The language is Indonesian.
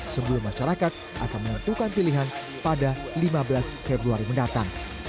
sebelum masyarakat akan menentukan pilihan pada lima belas februari mendatang